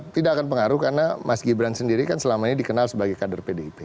tidak akan pengaruh karena mas gibran sendiri kan selama ini dikenal sebagai kader pdip